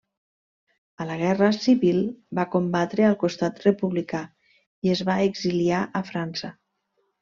A la Guerra Civil va combatre al costat republicà i es va exiliar a França.